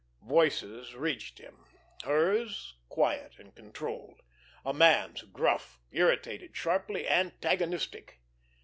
Voices reached him; hers, quiet and controlled; a man's, gruff, irritated, sharply antagonistic.